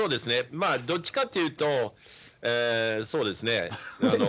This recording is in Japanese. まあどっちかっていうと、そうですね。